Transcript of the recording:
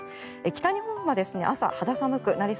北日本は朝肌寒くなり